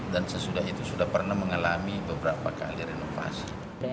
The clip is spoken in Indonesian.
dan sesudah itu sudah pernah mengalami beberapa kali renovasi